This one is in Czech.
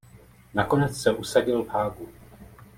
Nakonec se usadil v Haagu.